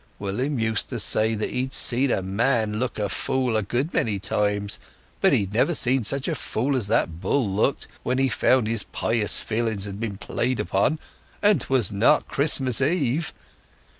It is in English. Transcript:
William used to say that he'd seen a man look a fool a good many times, but never such a fool as that bull looked when he found his pious feelings had been played upon, and 'twas not Christmas Eve.